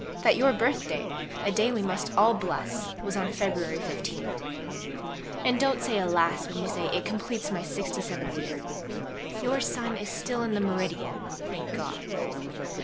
that your birthday, a day we must all bless was on Feb. 15. And don't say "alas!" when you say "it completes my 67th year." Your sun is still in the meridian, thank God!